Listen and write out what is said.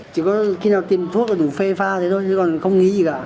chỉ có khi nào tìm thuốc là đủ phê pha thế thôi chứ còn không nghĩ gì cả